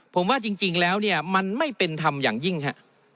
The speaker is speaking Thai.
ผมว่าจริงแล้วเนี่ยมันไม่เป็นธรรมอย่างยิ่งฮะ